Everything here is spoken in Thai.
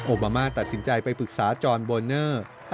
โอบามาตัดสินใจไปปรึกษาจอนบอลเนอร์